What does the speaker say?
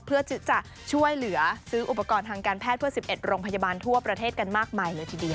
เพื่อจะช่วยเหลือซื้ออุปกรณ์ทางการแพทย์เพื่อ๑๑โรงพยาบาลทั่วประเทศกันมากมายเลยทีเดียว